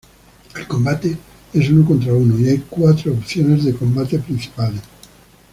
El combate es uno contra uno, y hay cuatro opciones de combate principales.